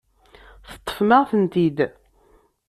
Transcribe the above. Teṭṭfem-aɣ-tent-id.